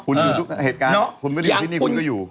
คุณอยู่ทุกเหตุการณ์คุณไม่ได้อยู่ที่นี่คุณก็อยู่